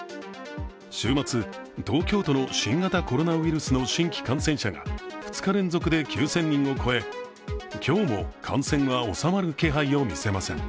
週末、東京都の新型コロナウイルスの新規感染者が２日連続で９０００人を超え、今日も感染が収まる気配を見せません。